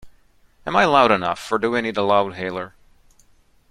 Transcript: Am I loud enough, or do I need a loudhailer?